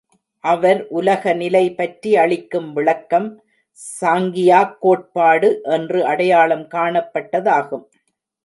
அவர் உலகநிலை பற்றி அளிக்கும் விளக்கம் சாங்கியாக் கோட்பாடு என்று அடையாளம் காணப்பட்டதாகும்.